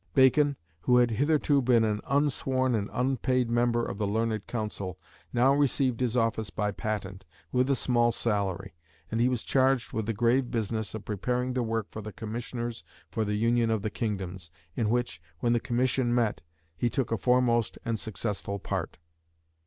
Bacon, who had hitherto been an unsworn and unpaid member of the Learned Counsel, now received his office by patent, with a small salary, and he was charged with the grave business of preparing the work for the Commissioners for the Union of the Kingdoms, in which, when the Commission met, he took a foremost and successful part.